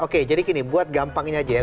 oke jadi gini buat gampangnya aja ya